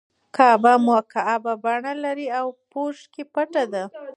کعبه مکعب بڼه لري او په پوښ کې پټه ده.